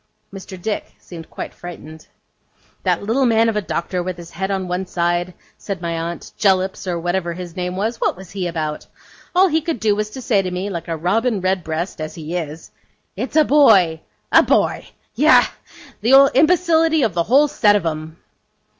Mr. Dick seemed quite frightened. 'That little man of a doctor, with his head on one side,' said my aunt, 'Jellips, or whatever his name was, what was he about? All he could do, was to say to me, like a robin redbreast as he is "It's a boy." A boy! Yah, the imbecility of the whole set of 'em!